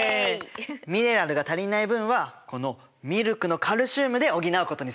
ミネラルが足りない分はこのミルクのカルシウムで補うことにするよ。